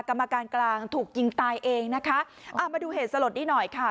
กรรมการกลางถูกยิงตายเองนะคะอ่ามาดูเหตุสลดนี้หน่อยค่ะ